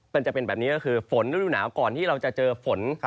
มันจะเป็นแบบนี้ก็คือฝนฤดูหนาวก่อนที่เราจะเจอฝน